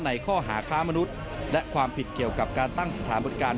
ในข้อหาค้ามนุษย์และความผิดเกี่ยวกับการตั้งสถานบริการ